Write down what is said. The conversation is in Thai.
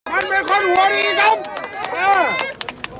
มึงเป็นคนหัวดีซัม